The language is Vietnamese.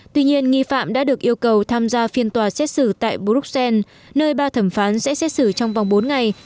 tuy nhiên nghi phạm đã được yêu cầu tham gia phiên tòa xét xử tại bruxelles nơi ba thẩm phán sẽ xét xử trong vòng bốn ngày